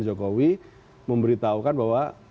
di jokowi memberitahukan bahwa